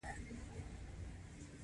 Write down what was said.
حرکت ګټور دی.